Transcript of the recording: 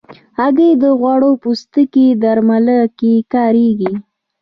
هګۍ د غوړ پوستکي درملنه کې کارېږي.